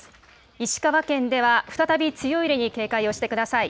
石川県では再び強い揺れに警戒をしてください。